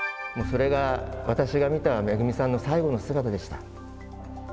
それが私が見ためぐみさんの最後の姿でした。